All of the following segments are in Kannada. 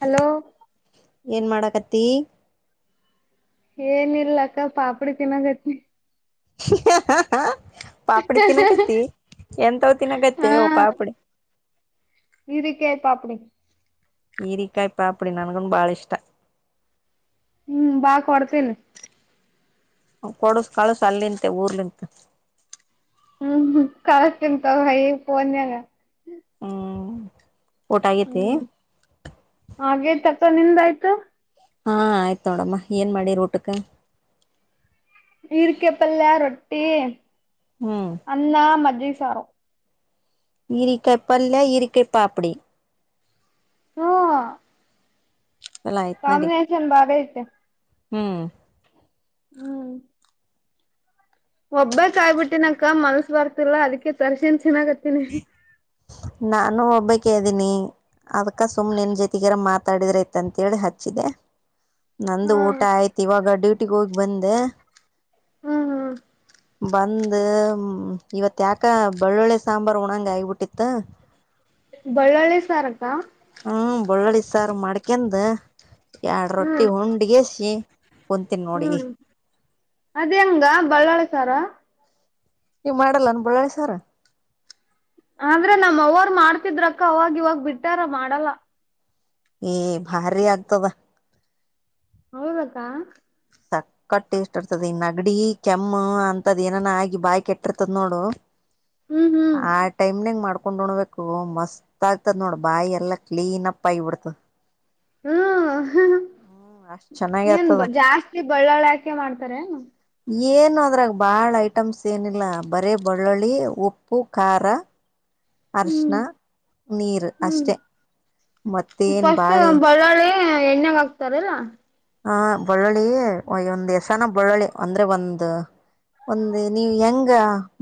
ಹಲೋ ಏನ್ ಮಾಡಕತಿ ಏನ ಇಲ್ಲ ಅಕ್ಕ ಪಾಪಡಿ ತಿನ್ನಾಗತ್ತನಿ. [unintelligible] ಪಾಪಡಿ ತಿನ್ನಕತ್ತತಿ ಎಂತವ ತಿನ್ನಕತ್ತ ಪಾಪಡಿ. ಇರಿ ಕೇ ಪಾಪಿಡಿ. ಈರಿಕಾಯಿ ಪಾ ಅಪಡಿ ನನ್ಗನ್ ಬಾಳ ಇಷ್ಟ. ಹ್ಮ್ -ಬಾ ಕೊಡ್ತೇನಿ. ಕೊಡಸ ಕಳಸ ಅಲ್ಲಿ ನಿಂತೆ ಊರ್ಲಿಂಗೆ ಹ್ಮ್ ಕಳಸ್ನ್ ತ ಹ ಪೋನ್ಯಾಗ ಹ್ಮ್ ಊಟ ಆಗೇತಿ ಹ್ಮ್ -ಹಾಗೇತಕ್ಕ ನಿಂದಾಯ್ತು. ಹಾ -ಆಯ್ತ ನೋಡಮ್ಮ ಏನ್ ಮಾಡಿ ಊಟಕ್ಕೆ. ಈರಿಕಾಯಿ ಪಲ್ಲ ರೊಟ್ಟಿ. ಹ್ಮ್ ಅನ್ನ ಮಜ್ಜಿಗೆ ಸಾರು. ಈರಿಕಾಯಿಪ್ಪಲ್ಲ ಈರಿಕಾಯಿಪ್ಪಾಪಡಿ. ಹ್ ಚಲ ಆಯ್ತ್ ನಡಿ ಬಾರಿ ಐತೆ ಹ್ಮ್ ಹ್ಮ್ ಒಬ್ಬಕ್ಯಯ್ಬಿಟ್ಟಿನಕ ಮನ್ಸ್ ಬರ್ತಿಲ್ಲ ಅದಕ್ಕೆ ತರ್ಸನ್ ಚೆನ್ನಾಗತ್ತಿನಿ. ನಾನು ಒಬ್ಬಕೆ ಇದೀನಿ ಅದ್ಕ ಸುಮ್ ನಿನ್ ಜೊತೆಗಾರ ಮಾತಾಡಿದ್ರಿ. ಅಂತೇಳಿ ಹಚ್ಚಿದೆ ನಂದು ಹಾ ಊಟ ಆಯ್ತು ಇವಾಗ ಡ್ಯೂಟಿಗೆ ಹೋಗಿ ಬಂದೆ. ಹ್ಮ್ ಹ್ಮ್ ಬಂದ್ ಇವತ್ ಯಾಕ ಬೆಳ್ಳುಳ್ಳಿ ಸಾಂಬಾರ್ ಉಣಂಗ ಆಗಬಿಟ್ಟಿತ್ತು ಬಳ್ಳಳ್ಳಿ ಸಾರ ಕ್ಕ ಹ್ಮ ಬಳ್ಳಳ್ಳಿ ಸಾರ್ ಮಾಡ್ಕಂದ ಎರಡ್ ರೊಟ್ಟಿ ಹ್ಮ್ ಉಂಡಗಸಿ ಕುಂತೀನಿ ನೋಡಿ ಹ್ಮ್ ಅದ್ ಹೆಂಗ ಬಳ್ಳಾಳ್ಳಿ ಸಾರ ನೀವ್ ಮಾಡಲ್ಲ ಅನ್ ಬಳ್ಳಳಿ ಸಾರ್. ಆದ್ರೆ ನಮ್ ಅವ್ವಾರಾ ಮಾಡ್ತಿದ್ರಕ್ಕ ಅವಾಗ ಇವಾಗ ಬಿಟ್ಟ್ಯಾರ ಮಾಡಲ್ಲ. ಏ ಭಾರಿ ಆಗ್ತದಾ. ಹೌದ ಅಕ್ಕ ಸತ್ ಕಟ್ಟ ಇಷ್ಟ ಇರ್ತದೆ ಈ ನಗಡಿ ಕೆಮ್ಮ ಅಂತದ್ ಏನ ಆಗಿ ಬಾಯಿ ಕೆಟ್ಟಿರ್ತದ ನೋಡು ಹ್ಮ್ ಆ ಟೈಮ್ನಂಗ್ ಮಾಡ್ಕೊಂಡ್ ಹೊಣ್ಬೇಕು ಮಸ್ತ್ ಆಗ್ತದ ನೋಡ್ ಬಾಯಿ ಎಲ್ಲಾ ಕ್ಲೀನ್ ಅಪ್ ಆಗಿಬಿಡ್ತದ. ಹ್ಮ್ ಹ್ಮ್ ಅಷ್ಟ್ ಚೆನ್ನಾಗಿ ಏನ್ ಆಗ್ತದ ಜಾಸ್ತಿ ಬಳ್ಳೋಳೀ ಹಾಕಿ ಮಾಡ್ತಾರೆ ಏನು ಏನು ಅದ್ರಾಗ ಬಾಳ ಐಟಮ್ಸ್ ಏನಿಲ್ಲ ಬರಿ ಬಳ್ಳುಳ್ಳಿ ಉಪ್ಪು ಖಾರ ಅರ್ಶಣ ಹ್ಮ್ ನೀರ್ ಹ್ಮ್ ಅಷ್ಟೇ ಮತ್ತೇನ್ ಬಾಳ ಎಣ್ಣಗ್ ಹಾಕತಾರಲ್ಲ ಹ ಬಳ್ಳಳ್ಳಿ ಒಂದ್ ಎಸನ ಬಳ್ಳಳ್ಳಿ ಅಂದ್ರೆ ಒಂದ ಒಂದ ನೀವು ಹೆಂಗ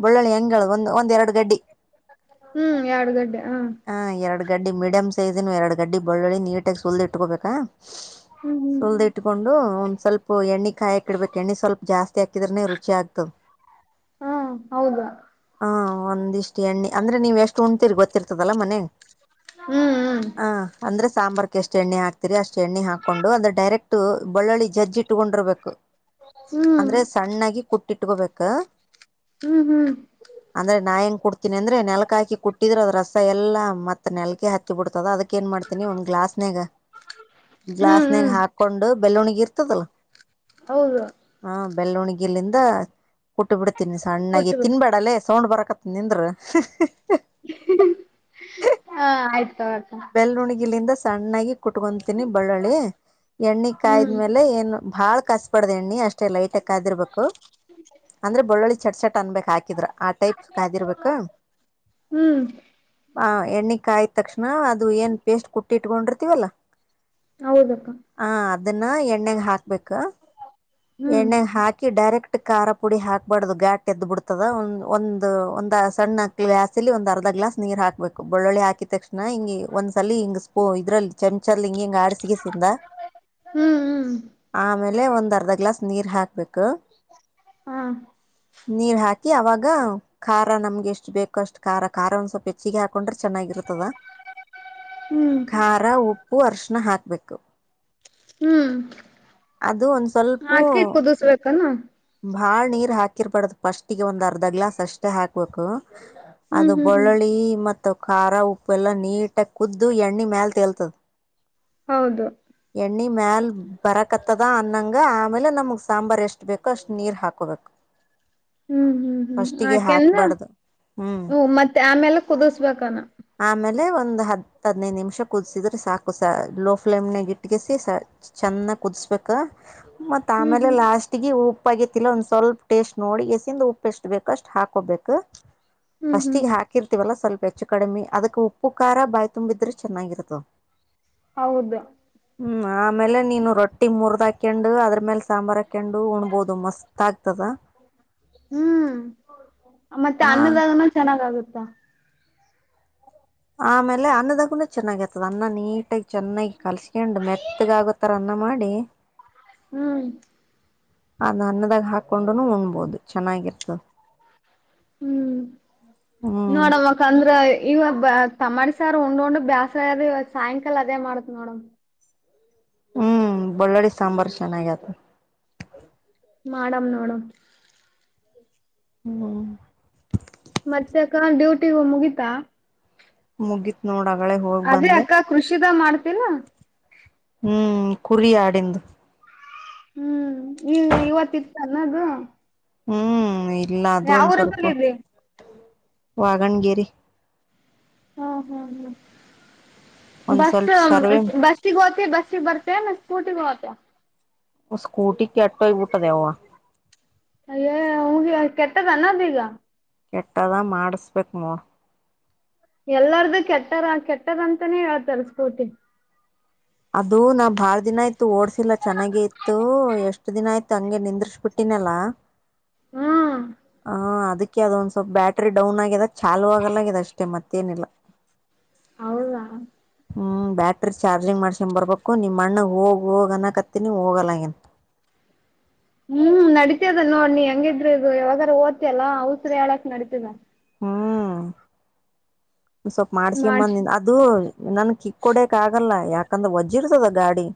ಬಳ್ಳಳ್ಳಿ ಹೆಂಗ ಹೇಳ ಒಂದು ಒಂದ್ ಎರಡು ಗಡ್ಡಿ ಹ್ಮ್ ಎರಡು ಗಡ್ಡೆ ಹ ಹ ಎರಡು ಗಡ್ಡಿ ಮೀಡಿಯಂ ಸೈಜ್ನು ಎರಡು ಗಡ್ಡಿ ಬಳ್ಳುಳ್ಳಿ ನೀಟಾಗಿ ಸುಲ್ದ ಇಟ್ಕೋಬೇಕಾ ಹ್ಮ್ ಹ್ಮ್ ಸುಲ್ದ ಇಟ್ಕೊಂಡು ಒಂದ್ ಸ್ವಲ್ಪ ಎಣ್ಣೆ ಕಾಯಿ ಹಾಕಿಡ್ಬೇಕು ಎಣ್ಣೆ ಸ್ವಲ್ಪ ಜಾಸ್ತಿ ಹಾಕಿದ್ರನನೆ ರುಚಿ ಆಗ್ತದೆ ಹಾ ಹೌದ ಹಾ ಒಂದಿಷ್ಟಿ ಎಣ್ಣಿ ಅಂದ್ರೆ ನೀವ ಎಷ್ಟು ಉಣ್ತಿರ್ ಗೊತ್ತಿರ್ತದಲ್ಲಾ ಮನೆಗ್ ಹ್ಮ್ ಹ ಅಂದ್ರೆ ಸಾಂಬಾರ್ಕ ಎಷ್ಟ ಎಣ್ಣೆ ಹಾಕ್ತಿರಿ ಅಷ್ಟು ಎಣ್ಣೆ ಹಾಕೊಂಡು ಅಂದ್ರೆ ಬಳ್ಳಳ್ಳಿ ಜಜ್ಜ್ ಇಟ್ಟಕೊಂಡಿರ್ಬೇಕು ಹ್ಮ್ ಅಂದ್ರೆ ಹ್ಮ್ ಸಣ್ಣಾಗಿ ಕುಟ್ಟಿಟ್ಕೊಬೇಕ ಹ್ಮ್ ಹ್ಮ್ ಅಂದ್ರೆ ನಾ ಹೆಂಗ್ ಕುಡ್ತೀನಿ ಅಂದ್ರೆ ನೆಲಕ ಹಾಕಿ ಕುಟ್ಟಿದ್ರೆ ಅದ ರಸ ಎಲ್ಲ ಮತ್ ನೆಲಕಿ ಹತ್ತಿ ಬಿಡ್ತದ ಅದಕ್ಕ ಏನ್ ಮಾಡ್ತೀನಿ ಒಂದ್ ಗ್ಲಾಸ್ ನಾಗ ಹ್ಮ್ ಗ್ಲಾಸ್ನಾಗ ಹ್ಮ್ ಹಾಕ ಕೊಂಡು ಬೆಲ್ಲವಣಗಿ ಇರ್ತದಲ್ಲ ಹೌದು ಹಾ ಬೆಳ್ಳವಣಿಗಿಲಿಂದ ಕುಟ್ಟ ಬಿಡ್ತೀನಿ ಸಣ್ಣಾಗಿ ಕೊಟ್ರು ತಿನ್ಬೇಡಲ್ಲೇ ಸೌಂಡ್ ಬರಕತ್ತ ನಿಂದ್ರ ಹ ಆಯ್ತು ಅಕ್ಕ ಬೆಲನುಗಿಲಿಂದ ಸಣ್ಣಾಗಿ ಕುಟ್ಕೊತೀನಿ ಬಳ್ಳುಳ್ಳಿ ಎಣ್ಣೆ ಹ್ಮ್ ಕಾಯಿದ್ಮೇಲೆ ಏನು ಬಾಳ ಕಾಸ ಬಾಡ್ದ ಎಣ್ಣಿ ಅಷ್ಟೇ ಲೈಟ್ ಕಾದಿರ್ಬೇಕು ಅಂದ್ರೆ ಬಳೋಳ್ಳಿ ಚಟ್ ಚಟ್ ಅನ್ಬೇಕು ಹಾಕಿದ್ರ ಆ ಟೈಪ್ ಕಾದಿರ್ಬೇಕು ಹ್ಮ್ ಹಾ ಎಣ್ಣಿ ಕಾಯಿದ ತಕ್ಷಣ ಅದು ಏನ್ ಪೇಸ್ಟ್ ಕುಟ್ಟಿ ಇಟ್ಕೊಂಡಿರ್ತೀವಲ್ಲ ಹೌದಕ್ಕ ಹ ಅದನ್ನ ಎಣ್ಣಾಗ ಹಾಕ್ಬೇಕ ಹ್ಮ್ ಎಣ್ಣ್ಯಾಗ ಹಾಕಿ ಡೈರೆಕ್ಟ್ ಖಾರ ಪುಡಿ ಹಾಕ್ಬಾರ್ದು ಗಾಟ್ ಎದ್ದ್ ಬಿಡ್ತದ ಒ ಒಂದು ಒಂದ ಸಣ್ಣ ಹ ಗ್ಲಾಸ್ ಇಲ್ಲಿ ಒಂದ ಅರ್ಧ ಗ್ಲಾ ನೀರ್ ಹಾಕ್ಬೇಕು ಬೆಳ್ಳಿ ಹಾಕಿದ ತಕ್ಷಣ ಹಿಗೆ ಒಂದ್ಸಲ ಹಿಂಗ ಸ್ಪೂ ಇದ್ರಲ್ಲಿ ಚಮಚಲ್ ಹಿಂಗ ಹಿಂಗ ಆಡಸಿಗೆಸಿಂದ ಹ್ಮ್ ಹ್ಮ್ ಆಮೇಲೆ ಒಂದ್ ಅರ್ಧ ಗ್ಲಾಸ್ ನೀರ್ ಹಾಕ್ಬೇಕು ಹಾ ನೀರ್ ಹಾಕಿ ಅವಾಗ ಖಾರ ನಮ್ಗೆ ಎಷ್ಟು ಬೇಕೋ ಅಷ್ಟು ಖಾರ ಖಾರ ಒಂದ ಸ್ವಲ್ಪ ಹೆಚ್ಚಿಗೆ ಹಾಕೊಂಡ್ರೆ ಚೆನ್ನಾಗಿರುರ್ತದ ಹ್ಮ್ ಖಾರ, ಉಪ್ಪು ಅರಿಶಿಣ ಹಾಕ್ಬೇಕು. ಹ್ಮ್, ಒಂದು ಸ್ವಲ್ಪ ಆಕಿಕುದಿಸ್ಬೇಕಾನ ಭಾಳ ನೀರ್ ಹಾಕಿರಬಾರ್ದ ಫಸ್ಟಿಗೆ ಒಂದ್ ಅರ್ಧ ಗ್ಲಾಸ್ ಅಷ್ಟೇ ಹಾಕ್ಬೇಕು. ಹ್ಮ್ ಅದು ಹ್ಮ್ ಹ್ಮ್ ಬೆಳ್ಳುಳ್ಳಿ ಮತ್ತಖಾರ ಉಪ್ಪು ಎಲ್ಲಾ ನೀಟಾಗಿ ಕುದ್ದು ಎಣ್ಣೆ ಮ್ಯಾಲ ತೇಲ್ತದ. ಹೌದು, ಎಣ್ಣೆ ಮ್ಯಾಲ ಬರಕತ್ತದ ಅನ್ನಂಗ ಆಮೇಲೆ ನಮಗ್ ಸಾಂಬಾರ್ ಎಷ್ಟು ಬೇಕೋ ಅಷ್ಟು ನೀರ್ ಹಾಕೋಬೇಕು. [inaudible] ಹ್ಮ್, ಹ್ಮ್, ಹ್ಮ್ ಆಕೆಂದ ಹಾಕಬಾರ್ದು ಹ್ಞೂ ಹ ಮತ್ತೆ ಆಮೇಲೆ ಕುದಸ್ಬೇಕಾನ. ಆಮೇಲೆ ಒಂದು ಹತ್ತು ಹದ್ನೈದು ನಿಮಿಷ ಕುದಿಸಿದ್ರೆ ಸಾಕು ಸ ಲೋ ಫ್ಲೇಮ್ನಾಗ ಇಟ್ಕಿಸಿ ಚೆನ್ನಾಗ ಕುದಿಸ್ಬೇಕ ಮತ್ತ್ ಹ್ಮ್ ಆಮೇಲೆ ಹ್ಮ್ ಲಾಸ್ಟ್ ಗಿ ಉಪ್ಪ ಆಗತಿಲ್ಲಾ ಒಂದ್ ಸ್ವಲ್ಪ ಟೇಸ್ಟ್ ನೋಡಿ ಗೆಸಿಂದ ಉಪ್ಪು ಎಷ್ಟು ಬೇಕ ಅಷ್ಟು ಹಾಕೋಬೇಕು. ಹ್ಮ್ ಹ್ಮ್ ಫಸ್ಟಿಗಿ ಹಾಕಿರ್ತೀವಲ್ಲ ಸ್ವಲ್ಪ ಹೆಚ್ಚು ಕಡಿಮೆ ಅದಕ್ ಉಪ್ಪು, ಖಾರ ಬಾಯ್ ತುಂಬಿದ್ರೆ ಚೆನ್ನಾಗಿರತ. ಹೌದು, ಹ್ಮ್, ಆಮೇಲೆ ನೀನು ರೊಟ್ಟಿ ಮುರ್ದ ಹಾಕೊಂಡು ಅದ್ರ ಮೇಲೆ ಸಾಂಬಾರ್ ಹಾಕ ಕಂಡು ಉಣ್ಬಹದು ಮಸ್ತ್ ಆಗ್ತದ. ಹ್ಮ್, ಮತ್ತೆ ಅನ್ನದಾಗನೂ ಚೆನ್ನಾಗ ಆಗುತ್ತ. ಆಮೇಲೆ ಅನ್ನದಾಗೂನ ಚೆನ್ನಾಗ ಆತದ ಅನ್ನ ನೀಟಾಗಿ ಚೆನ್ನಾಗಿ ಕಲ್ಸ್ಕಂಡ್ ಮೆತ್ತಗ ಆಗೋತರ. ಮಾಡಿ [unintelligible] ಹ್ಮ್, ಅದನ್ನ ಅನ್ನದಾಗ ಹಾಕೊಂಡು ಉಣ್ಬೋದು ಚೆನ್ನಾಗಿರ್ತದ. ಹ್ಮ್ ಹ್ಮ್, ನೋಡಮ್ಮಕ್ಕ ಅಂದ್ರ ಇವ ಬ ತಮ್ಮಾಟಿ ಸಾರ ಉಂಡ್- ಉಂಡ್ ಬ್ಯಾಸ್ರ ಆಗೆದ್ ಇವತ್ ಸಾಯಂಕಾಲ ಅದೇ ಮಾಡತ್ ನೋಡಮ್ ಹ್ಮ್, ಬಳ್ಳೊ ಳ್ಳಿ ಸಾಂಬಾರ್ ಚೆನ್ನಾಗಾತದ. ಮಾಡಮ್ ನೋಡಮ್ ಮಾ [unintelligible] ಮತ್ತೆ ಅಕ್ಕಾ ಡ್ಯೂಟಿ ಇವಗ್ ಮುಗೀತಾ, ಮುಗೀತ್ ನೋಡ್ ಅಗಳೇ ಹೋಗಿ ಅದೇ ಬಂದೆ. ಅಕ್ಕ ಕೃಷಿದ ಮಾಡ್ತಿಲಾ ಹ್ಮ್, ಕುರಿ ಆಡಿಂದು ಹ್ಮ್, ಈಗ ಇವತ್ತ ಇತ್ತಲ ಅದು. ಹ್ಮ್, ಇಲ್ಲ ಅದು ಒಂದ್ ಊರು ಸ್ವಲ್ಪ ಬಂದಿದ್ರಿ ವಾಗಣಗೇರಿ ಹಾಂ ಹಾಂ ಹಾಂ ಒಂದ್ ಬಸ್ ಸ್ವಲ್ಪ ಅಂ ಸರ್ವೆ ಬಸ್ [unintelligible] ಬಸ್ಸಿಗೊತಿ ಬಸ್ಸಿಗ್ ಬರ್ತಿ ಏನ್ ಸ್ಕೂಟಿಗೋತಿಯಾ ಸ್ಕೂಟಿ ಕೆಟ್ಟೋಗ್ಬಿಟ್ಟೆದೆವ್ವ ಅಯ್ಯ ಅವಗೆ ಕೆಟ್ಟದನ್ನುಈಗ ಕೆಟ್ಟದ ಮಾಡಸ್ಬೇಕ ನೋಡ್ ಎಲ್ಲಾರ್ದು ಕೆಟ್ಟರ ಕೆಟ್ಟದ ಅಂತನೇ ಹೇಳ್ತಾರ ಸ್ಕೂಟಿ ಅದು ನಾವ್ ಬಾಳ ದಿನ ಆಯ್ತು ಓಡ್ಸಿಲ್ಲ ಚೆನ್ನಾಗೆ ಇತ್ತು ಎಷ್ಟ್ ದಿನ ಆಯ್ತು ಅಂಗೆ ನಿಂದ್ರಿಸಬಿಟ್ಟ--‌ ಟ್ಟಿ ನಲ್ಲಾ ಹ್ಮ್ ಆಂ ಅದೇ [unintelligible] ಕೆ ಅದು ಒಂದ ಸ್ವಲ್ಪ ಬ್ಯಾಟ್ರರಿ ಡೌನ್ ಆಗೆದ ಚಾಲುವಾಗುಲ್ಲಾಗೆದ ಅಷ್ಟೆ ಮತ್ತೇನಿಲ್ಲ. ಹೌದಾ! ಹ್ಮ್, ಬ್ಯಾಟ್ರಿ ಚಾರ್ಜಿಂಗ್ ಮಾಡ್ಸಿಗೊಂಡ ಬರ್ಬೇಕು. ನಿಮ್ಮ ಅಣ್ಣಗ್ ಹೋಗ್ ಹೋಗ, ಅನ್ನಕತ್ತೇನಿ ಹೋಗಲ್ಲಾಗ್ಯಾನ್. ಹ್ಮ್, ನಡಿತದ ನೋಡ್ ನೀ ಹೆಂಗಿದ್ರು ಇದು ಯಾವಾಗ ಹೋಗ್ತಿಯಲ್ಲ ಹ ಅವಸ್ರ ಹೇಳಕ್ ನಡಿತದ. ಹ್ಮ್, ಸ್ವಲ್ಪ ಮಾಡ್ಸ ಮಾಡ್ಸಕಂಬಂದಿಂದ ಅದು ನನ್ ಕಿಕ್ ಹೊಡಕ್ ಆಗಲ್ಲ ಯಾಕಂದ್ರೆ ವಜ್ಜ ಇರ್ತದ ಗಾಡಿ.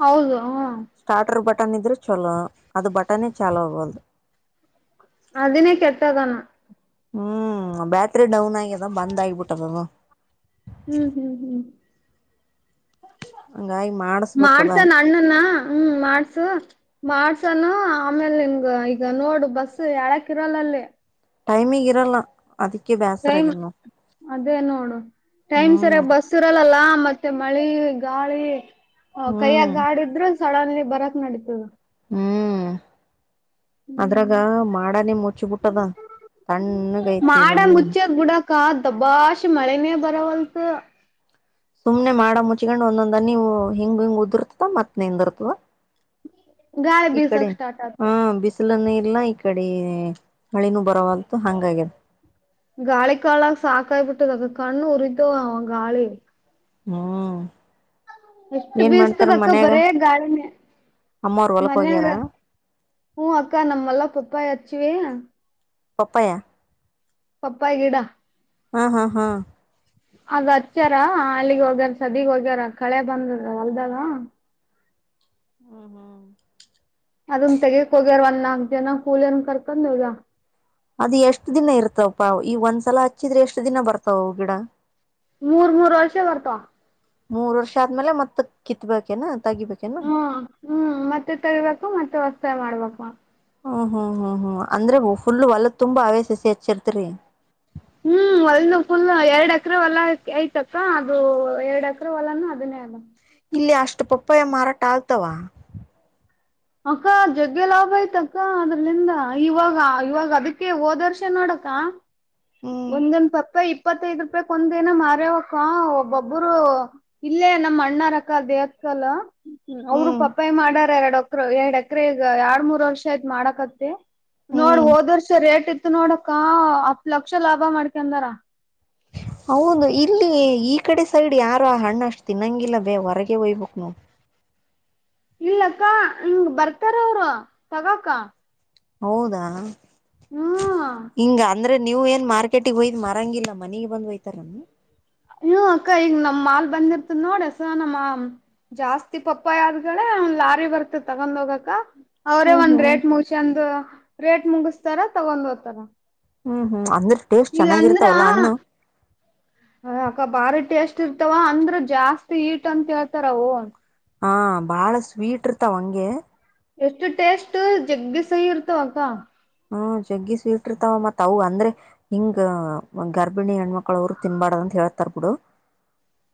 ಹೌದು ಸ್ಟಾರ್ಟರ್ ಬಟನ್ ಇದ್ರೆ ಚಲೋ ಅದು ಬಟನೇ ಚಲೋ ಅಗೊಂದ್ಲು. ಅದಿನೇ ಕೆಟ್ಟಗಾನ. ಹ್ಮ್ ಬ್ಯಾಟ್ರಿ ಡೌನ್ ಆಗ್ಯದ ಬಂದ್ ಆಗಬಿಟ್ಟದದು. ಹ್ಮ್ ಹ್ಮ್ ಹ್ಮ್ ಹಂಗಾಗಿ ಮಾಡಿಸಬೇಕು ಅದು. ಮಾಡ್ಸನ್ ಹ್ಮ್ ಮಾಡ್ಸು. ಮಾಡ್ಸಾನ ಆಮೇಲ್ ನಿನ್ಗ ಈಗ ನೋಡು ಬಸ್ ಏಳಕ್ಕ ಇರಲ್ಲ ಅಲ್ಲಿ. ಟೈಮಿಗೆಂಗ್ ಇರಲ್ಲ. ಅದಿಕ್ಕೇ. ಟೈಮ್ ಅದೇ ನೋಡು ಟೈಮ್ ಹ್ಮ್ ಸರಿಯಾಗಿ ಬಸ್. ಇರಲಲ್ಲ ಮತ್ತೆ ಮಳೆ ಗಾಳಿ ಕೈಯಾಗ ಹ್ಮ್ ಗಾಡ ಇದ್ರು. ಸಡನ್ಲಿ ಬರಕ್ ನೇಡೀತದ. ಹ್ಮ್ ಅದ್ರಾಗ ಹ್ಮ್ ಮಾಡಾನೇ ಮುಚ್ಚಬಿಟ್ಟದ ತಣ್ಣಗ ಐತಿ ಒಂದು. ಕದ್ ದಬಾಷ್ ಮಳೆನೇ ಬರವಲ್ತ್. ಸುಮ್ನೆ ಮಾಡ ಮುಚ್ಕಂಡ್ ಒಂದೊಂದ ಹನಿ ಹಿಂಗ್ ಹಿಂಗ್ ಉದಿರ್ತದ ಮತ್ ನಿದಿರ್ತವ. ಗಾಳಿ ಇಕಡೆ ಬೀಸಕ್ ಸ್ಟಾರ್ಟ್ ಆತ ಹ್ಮ್ ಬಿಸಿಲು. ಬಿಸಿಲುನಿ ಇಲ್ಲ ಈ ಕಡೆ ಮಳಿನೂ ಬರವಲ್ತು ಹಂಗಾಗಿ. ಗಾಳಿ ಕಾಲ ಸಾಕಾಯ್ ಬಿಟ್ಟದ ಕಣ್ಣು ಉರಿತ ಅವ ಗಾಳಿ. ಹ್ಮ ಎಷ್ಟು ಬೀಸತದ ಅಕ್ಕ ಬರೇ ಗಾಳಿನೆ ಅಮ್ಮವ್ರ ಹೊಲಕ್ ಮನ್ಯಾಗ. ಹೋಗ್ಯಾರ ಹ್ಮ್ ಅಕ್ಕ ನಮ್ಮಲ್ಲ ತುಪ್ಪ ಹಚ್ಚಿ. ಪಪ್ಪಾಯ ಪಪ್ಪಾಯ ಗಿಡ. ಹಾ ಹಾ ಹಾ. ಅಗ ಹಚ್ಚ್ಯಾರ ಹಾಲಿಗೆ ಹೋಗ್ಯಾರ ಸದಿಗ್ ಹೋಗ್ಯಾರ ಕಳೆ ಬಂದ ಅಲ್ದಾಗ. [unintelligible] ಅದನ್ ತೆಗಕ್ ಹೋಗ್ಯಾರವಲ್ಲ ಒಂದು ನಾಕ್. ಜನ ಕೂಲಿರಾರ್ನ ಕರ್ಕೊಂಡು. ಅದು ಎಷ್ಟ್ ದಿನ ಇರ್ತವಪ್ಪಾ ಈಗ ಒಂದ್ಸಲ ಹಚ್ಚಿದ್ರೆ ಎಷ್ಟ್ ದಿನ ಬರ್ತಾವು ಅವು ಗಿಡ. ಮೂರ್ ಮೂರು ವರ್ಷ ಬರ್ತವ್. ಮೂರ್ ವರ್ಷ ಆದ್ಮೇಲೆ ಮತ್ತತ್ ಕಿತ್ಬೇಕೇನ ತಗಿಬೇಕೇನ. ಹ್ಮ್ ಹ್ಮ್ ಮತ್ತೆ ತೇಗಿಬೇಕು ಮತ್ತೆ ಹೊಸದಾಗಿ ಮಾಡಬೇಕು. ಹ್ಮ್ ಹ್ಮ್ ಹ್ಮ್ ಹ್ಮ್ ಅಂದ್ರ ಫುಲ್ ಹೊಲದ ತುಂಬಾ ಅವೇ ಸಸಿ ಹಚ್ಚಿರ್ತರಿ. ಹ್ಮ್ ಅಲ್ನು ಫುಲ್ ಎರಡ್ ಅಕರೆ ಹೊಲ ಐತಕ್ಕ ಅದು ಎರಡ್ ಅಕರೆ ಹೊಲನು ಅದನ್ನೇ ಅಲ್ಲ. ಇಲ್ಲಿ ಅಷ್ಟು ಪಪ್ಪಾಯ ಮಾರಾಟ ಆಗ್ತಾವ. ಅಕ್ಕ ಜಗ್ಗೆ ಲಾಭ ಆಯ್ತ ಅಕ್ಕ ಅದ್ರಲಿಂದ ಇವಾಗ ಇವಾಗ ಅದಕ್ಕೆ ಹೋದರ್ಷೆ ನೋಡಕ್ಕ. ಹ್ಮ್ ಒಂದೊಂದ ಪಪ್ಪಯಾ ಇಪ್ಪತ್ತೈದ್ ರೂಪಾಯ ಒಂದನ ಮಾರ್ಯವಕ್ಕ ಒಬ್ಬೊಬ್ಬರು. ಇಲ್ಲೇ ನಮ್ಮ್ ಅಣ್ಣಾರಕ್ಕ ದೇಹಕ್ಕಲ್ಲ. ಹ್ಮ ಅವರು ಹ್ಮ್ ಪಪ್ಪಾಯ ಮಾಡಾರ ಎರಡ್ ಅಕ್ರ ಎರಡ್ ಎಕ್ರ ಈಗ ಎರಡ್ ಮೂರ್ ವರ್ಷ ಯತ್ ಮಾಡಕತ್ತತಿ. ನೋಡ್ ಹ್ಮ್ ಹೋದ ವರ್ಷ ರೇಟ್ ಇತ್ತು ನೋಡಕ್ಕ ಹತ್ ಲಕ್ಷ ಲಾಭ ಮಾಡ್ಕಂದಾರ. ಹೌದು ಇಲ್ಲಿ ಈ ಕಡೆ ಸೈಡ್ ಯಾರು ಆ ಹಣ್ಣ ಅಷ್ಟು ತಿನ್ನಂಗಿಲ್ಲ ಬೇ ಹೊರಗೆ ಹೊಯ್ಬೇಕಕ್ ನೋಡು. ಇಲ್ಲಕ್ಕ ಹಂಗ ಬರ್ತಾರ ಅವರು ತಗೋಕ್ಕ. ಹೌದಾ ಹ್ಮ್ ಹಿಂಗ. ಅಂದ್ರೆ ನೀವು ಏನ್ ಮಾರ್ಕೆಟಿಗೆ ಹೊಯಿದ್ ಮಾರಂಗಿಲ್ಲ ಮನಿಗೆ ಬಂದ್ ಹೊಯ್ತಾರನ್. ನೋ ಅಕ್ಕ ಈಗ ನಮ್ ಮಾಲ್ ಬಂದಿರ್ತದ ನೋಡ ಎಸ್ನ್ ಮಾ ಜಾಸ್ತಿ ಪಪ್ಪಯಿ ಆದಗಳ್ ಲಾರಿ ಬರ್ತದ ತಗೊಂದ್ ಹೋಗಕ್ಕ. ಅವ್ರೇ ಹ್ಮ್ ಒಂದ್ ಹ್ಮ್ ರೇಟ್ ಮುಗಸೆಂದ್ ರೇಟ್ ಮುಗಸ್ತರ ತಗೊಂದ್ ಹೋತರ. ಹ್ಮ್ ಹ್ಮ್ ಅಂದ್ರೆ ಟೇಸ್ಟ್ ಚೆನಾಗಿರ್ತವಲ್ಲಾ ಹಣ್ಣ. ಹೆ ಅಕ್ಕ ಬಾರಿ ಟೇಸ್ಟ್ ಇರ್ತಾವ ಅಂದ್ರ ಜಾಸ್ತಿ ಹೀಟ್ ಅಂತ ಕೇಳ್ತಾರವು. ಹ ಬಾಳ ಸ್ವೀಟ್ ಇರ್ತಾವ ಹಂಗೆ. ಎಷ್ಟ ಟೇಸ್ಟ್ ಜಗ್ಬಿ ಸೈಯಿ ಇರ್ತವ ಅಕ್ಕ. ಹ್ಮ ಜಗ್ಗಿ ಸ್ವೀಟ್ ಇಟ್ಟಿರ್ತಾವ ಮತ್ತ ಅವು ಅಂದ್ರೆ, ಹಿಂಗ ಗರ್ಭಿಣಿ ಹೆಣ್ಮಕ್ಳ ಅವ್ರು ತಿನ್ಬಡದಂತ ಹೇಳ್ತಾರ್ ಬಿಡು.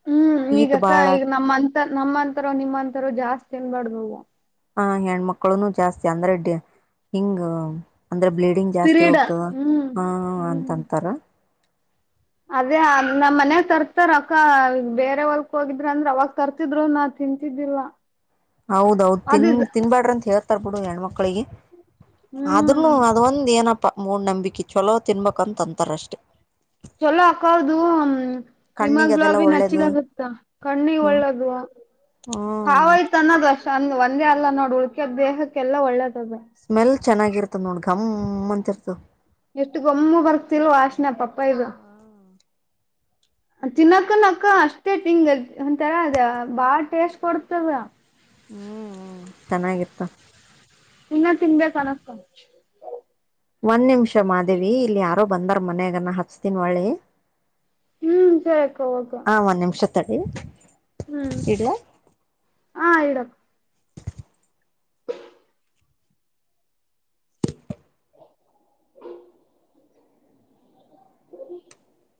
ಹ್ಮ್ ಹೀಟ್ ಈಗಕ್ಕ ಬಾಳ ಈಗ ನಮ್ಮಂತ ನಮ್ಮಂತರ ನಿಮ್ಮಂತರ ಜಾಸ್ತಿ ತಿನ್ಬ್ಯಾಡದ್ ಅವು. ಹ ಹೆಣ್ಮಕ್ಳುನು ಜಾಸ್ತಿ ಅಂದ್ರ ಡಿ ಹಿಂಗ ಅಂದ್ರ ಬ್ಲೀಡ್ ಗ್ ಜಾಸ್ತಿ ಹೋಗ್ತದ ಹ್ಮ್ ಹ್ಮ್ಅಂತ ಹ್ಮ್ ಅಂಥರಾ. ಅದೇ ನಮ್ಮ ಮನ್ಯಾಗ ತರ್ತಾರ ಅಕ್ಕ ಬೇರೆ ಹೊಲ್ಕ್ ಹೋಗಿದ್ರ ಅಂದ್ರ ಅವಾಗ ತರ್ತಿದ್ರು. ನ ತಿಂತಿದ್ದಿಲ್ಲ. ಹೌದೌದ ತಿನ್ ಅದು ತಿನ್ಬ್ಯಾಡ್ರ ಅಂತ ಹೇಳ್ತರ್ ಬಿಡು ಹೆಣ್ಮಕ್ಳಿಗಿ. ಹ್ಮ್ ಆದ್ರನೂ ಅದ ಒಂದ್ ಏನಪ್ಪ ಮೂಡ್ ನಂಬಿಕೆ ಚಲೋ ತಿನ್ಬೇಕಕ್ಂತ ಅಂತಾರ ಅಷ್ಟೇ. ಚಲೋ ಅಕ್ಕ ಅದು. ಕಣ್ಣಿಗೆ ಅದೆಲ್ಲ ಹಿಮಾಗ್ಲೋಬಿನ್ ಒಳ್ಳೇದು ಹೇಚ್ಚಿಗಿಗಾಗುತ್ತಾ ಕಣ್ಣಿಗಿ ಹ್ಮ್ ಒಳ್ಳೆದ್. ಹ್ಮ್ ಕಾವ್ ತನ್ನದ ಅಷ್ಟ ಒಂದ ಒಂದೇ ಅಲ್ಲ ನೋಡ್ ಉಳ್ಕ ದೇಹಕ್ಕೆ ಎಲ್ಲ ಒಳ್ಳೇದ ಅದ್. ಸ್ಮೆಲ್ ಚೆನ್ನಾಗಿರ್ತದ ನೋಡ್ ಘಮ ಅಂತಿರ್ತದ. ಎಷ್ಟು ಗೊಮ್ಮು ಬರ್ತಿಲ್ಲ ವಾಶನೆ ಪಪ್ಪಯಿದ್. ತಿನ್ನಕ್ಕನಕ್ಕ ಅಷ್ಟೇ ಹಂಗ ಒಂಥರ ಅದ ಬಾಳ ಟೇಸ್ಟ್ ಕೊಡ್ತದ. ಹ್ಮ್ ಹ್ಮ್ ಚೆನ್ನಾಗಿರ್ತ, ಇನ್ನ ತಿನ್ಬೇಕ ಅನಸ್ತದ. ಒಂದ್ ನಿಮಿಷ ಮಾದೇವಿ ಇಲ್ಲಿ ಯಾರೋ ಬಂದಾರ ಮನ್ಯಾಗನ ನಾ ಹಚ್ಚತಿನಿ ವಳ್ಳಿ. ಹ್ಮ್ ಸರಿ ಅಕ್ಕ ಓಕೆ. ಹಾ ಒಂದ್ ನಿಮಿಷ ತಡಿ. ಹ್ಮ್ ಇಡ್ಲಾ ಆ ಇಡ [inaudible] [inaudible]